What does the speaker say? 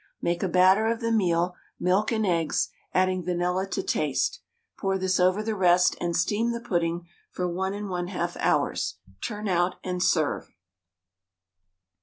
Make a batter of the meal, milk and eggs, adding vanilla to taste; pour this over the rest and steam the pudding for 1 1/2 hours, turn out, and serve.